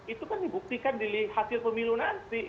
itu kan dibuktikan di hasil pemilu nanti